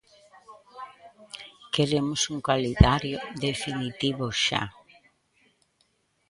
Queremos un calendario definitivo xa.